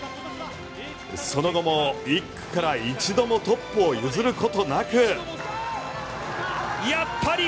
その後も１区から一度もトップを譲ることなく。